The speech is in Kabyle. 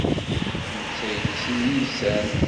Netta ikess iysan.